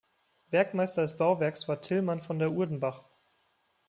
Werkmeister des Bauwerks war „Tilman von der Urdenbach“.